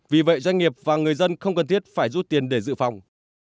vì vậy doanh nghiệp và người dân không cần thiết phải rút tiền để dự phòng